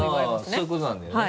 あぁそういうことなんだよね？